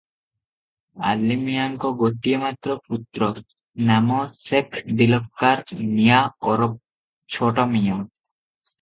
"ଆଲିମିଆଁଙ୍କ ଗୋଟିଏ ମାତ୍ର ପୁତ୍ର, ନାମ ସେଖ୍ ଦିଲ୍କାର ମିଆଁ ଓରଫ ଛୋଟମିଆଁ ।